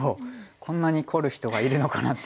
こんなに凝る人がいるのかなっていうぐらいの。